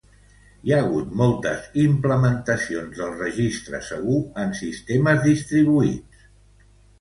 Hi ha hagut moltes implementacions del registre segur en sistemes distribuïts.